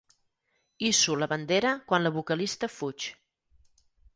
Hisso la bandera quan la vocalista fuig.